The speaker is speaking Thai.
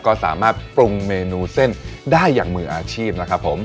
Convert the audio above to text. ก็สามารถปรุงเมนูเส้นได้อย่างมืออาชีพนะครับผม